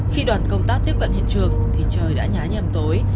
khi đoàn công tác tiếp cận hiện trường thì trời đã nhá nhầm tối